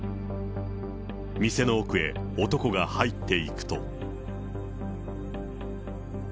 店の奥へ、男が入っていくと。